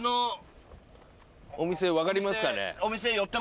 お店分かりますかね？